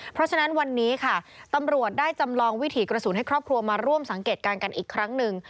เพราะฉะนั้นวันนี้ค่ะตำรวจได้จำลองวิถีกระสุนให้ครอบครัวมาร่วมสังเกตการณ์กันอีกครั้งหนึ่ง